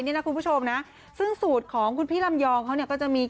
นี่นะคุณผู้ชมนะซึ่งสูตรของคุณพี่ลำยองเขาเนี่ยก็จะมี